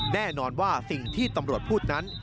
แน่นอนว่าสิ่งที่ตำรวจพูดนั้น